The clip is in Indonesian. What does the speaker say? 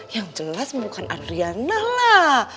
yang jelas bukan adriana lah